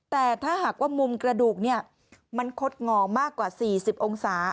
แต่ถ้าหากว่ามุมกระดูกมันคดงอมากกว่า๔๐องศา